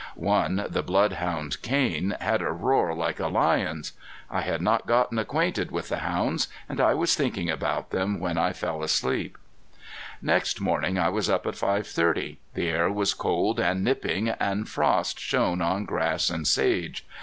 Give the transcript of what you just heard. One, the bloodhound Cain, had a roar like a lion's. I had not gotten acquainted with the hounds, and I was thinking about them when I fell asleep. Next morning I was up at five thirty. The air was cold and nipping and frost shone on grass and sage.